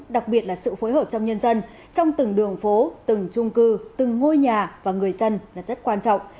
đặc biệt là sự phối hợp trong nhân dân trong từng đường phố từng trung cư từng ngôi nhà và người dân là rất quan trọng